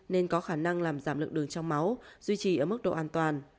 nên có khả năng làm giảm lượng đường trong máu duy trì ở mức độ an toàn